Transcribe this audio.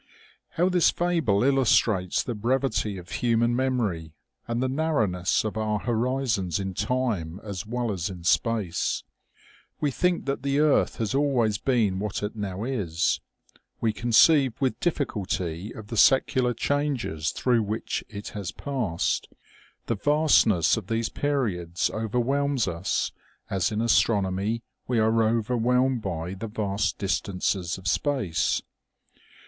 " How this fable illustrates the brevity of human mem ory and the. narrowness of our horizons in time as well as in space ! We think that the earth has always been what it now is ; we conceive with difficulty of the secu lar changes through which it has passed ; the vastness of these periods overwhelms us, as in astronomy we are overwhelmed by the vast distances of space.